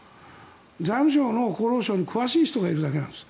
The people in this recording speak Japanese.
財務省に厚労省に詳しい人がいるだけなんです。